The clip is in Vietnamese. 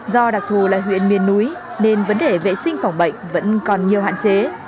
do đặc thù là huyện miền núi nên vấn đề vệ sinh phòng bệnh vẫn còn nhiều hạn chế